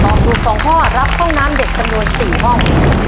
ถูก๒ข้อรับห้องน้ำเด็กจำนวน๔ห้อง